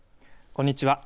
こんにちは。